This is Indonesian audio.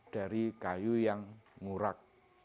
dari kayu yang ngurak